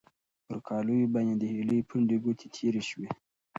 پر کالیو باندې د هیلې پنډې ګوتې تېرې شوې.